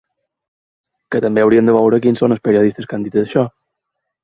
Que també hauríem de veure quins són els periodistes que han dit això.